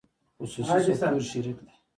خصوصي سکتور شریک دی